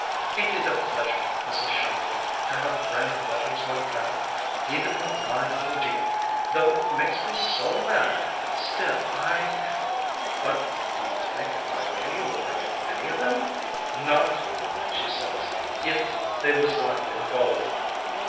"Ain't it a pleasure, Mrs. Shongut, to have grand letters like that? Even with my little Jeannie, though it makes me so mad, still I " "But do you think my Renie will have any of them? 'Not,' she says, 'if they was lined in gold.'"